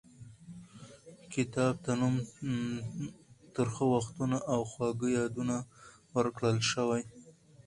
کتاب ته نوم ترخه وختونه او خواږه یادونه ورکړل شوی.